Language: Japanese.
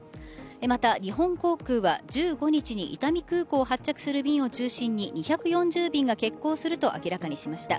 また、日本航空は１５日に伊丹空港を発着する便を中心に２４０便が欠航すると明らかにしました。